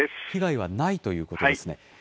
被害はないということですね。